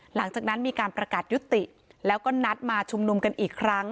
หลังจากนั้นมีการประกาศยุติแล้วก็นัดมาชุมนุมกันอีกครั้ง